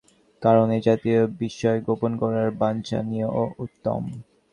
কারণ, এ জাতীয় বিষয় গোপন করাই বাঞ্ছনীয় ও উত্তম।